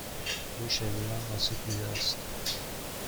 او شدیدا آسیب دیده است.